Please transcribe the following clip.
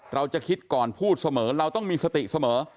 เราจะคิดก่อนพูดเสมอเราต้องมีสติเสมอ